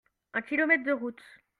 Un kilomètre de route.